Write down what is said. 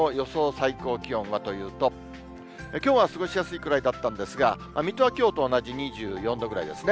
最高気温はというと、きょうは過ごしやすいぐらいだったんですが、水戸はきょうと同じ２４度ぐらいですね。